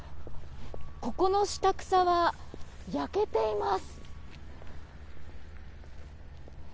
ここの下草は焼けています。